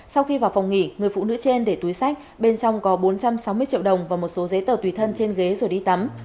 sau khi vào phòng nghỉ người phụ nữ trên để túi sách bên trong có bốn trăm sáu mươi triệu đồng và một số giấy tờ tùy thân trên ghế rồi đi tắm